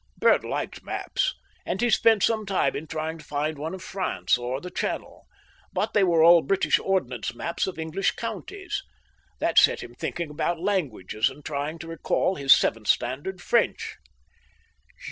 Bert liked maps, and he spent some time in trying to find one of France or the Channel; but they were all British ordnance maps of English counties. That set him thinking about languages and trying to recall his seventh standard French.